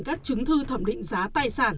các chứng thư thẩm định giá tài sản